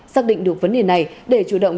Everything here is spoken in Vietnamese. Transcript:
xác định được vấn đề này để chủ động